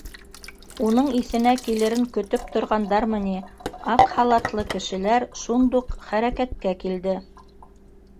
Уның иҫенә килерен көтөп торғандармы ни: аҡ халатлы кешеләр шундуҡ хәрәкәткә килде: